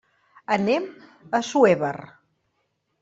Anem a Assuévar.